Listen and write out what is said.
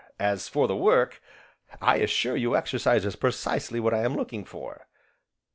As for the work, I assure you exercise is precisely what I am looking for."